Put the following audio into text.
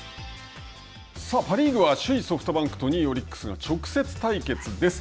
パ・リーグは首位ソフトバンクと２位オリックスが直接対決です。